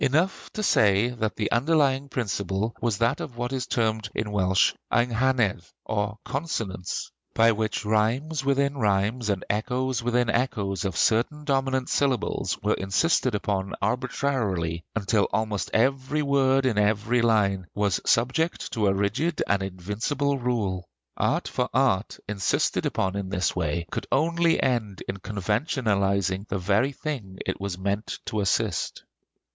Enough to say that the underlying principle was that of what is termed in Welsh "Eynghanedd," or "consonancy"; by which rhymes within rhymes and echoes within echoes of certain dominant syllables were insisted upon arbitrarily, until almost every word in every line was subject to a rigid and invincible rule. Art for art, insisted upon in this way, could only end in conventionalizing the very thing it was meant to assist.